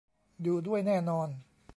อยู่ด้วยแน่นอน